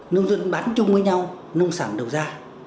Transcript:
nông dân bán chung với nhau nông sản đồ da